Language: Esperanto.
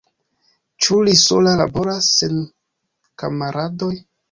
Ĉu li sola laboras, sen kamaradoj?